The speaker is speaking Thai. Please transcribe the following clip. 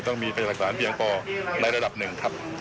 ต้องมีพยานหลักฐานเพียงพอในระดับหนึ่งครับ